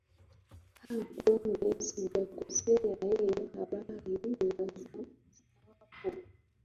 haa kumbe sijakosea ee habari za hapo